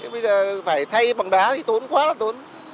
bây giờ phải thay bằng đá thì tốn quá là tốn